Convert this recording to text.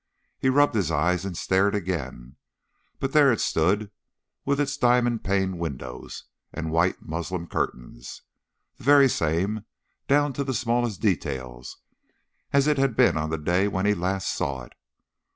He rubbed his eyes and stared again, but there it stood with its diamond paned windows and white muslin curtains, the very same down to the smallest details, as it had been on the day when he last saw it.